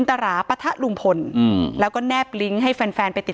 ถ้าใครอยากรู้ว่าลุงพลมีโปรแกรมทำอะไรที่ไหนยังไง